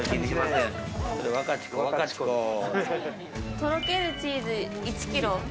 とろけるチーズ１ｋｇ。